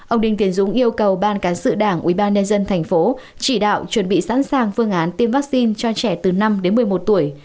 ông đinh tiến dũng yêu cầu ban cán sự đảng ubnd tp chỉ đạo chuẩn bị sẵn sàng phương án tiêm vaccine cho trẻ từ năm đến một mươi một tuổi